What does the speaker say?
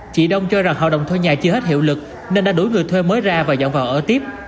chị đông cho rằng hợp đồng thuê nhà chưa hết hiệu lực nên đã đổi người thuê mới ra và dọn vào ở tiếp